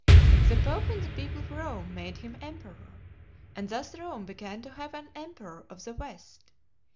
The pope and the people of Rome made him emperor; and thus Rome began to have an emperor of the west.